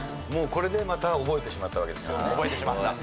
もうこれでまた覚えてしまったわけですから。